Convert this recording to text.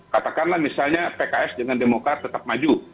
katakanlah misalnya pks dengan demokrat tetap maju